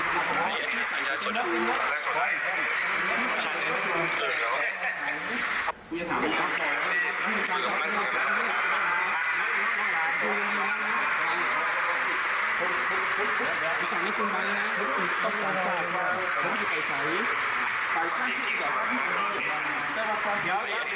เฮ้ย